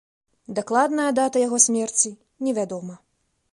Дакладная дата яго смерці невядомая.